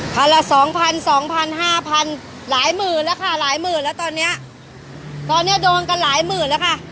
พันละ๒๐๐๐๒๐๐๐๕๐๐๐หลายหมื่นแล้วค่ะหลายหมื่นแล้วตอนนี้ตอนนี้โดนกันหลายหมื่นแล้วค่ะ